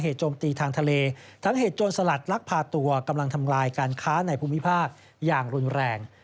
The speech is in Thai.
โจมตีทางทะเลทั้งเหตุโจรสลัดลักพาตัวกำลังทำลายการค้าในภูมิภาคอย่างรุนแรง